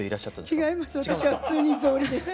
違います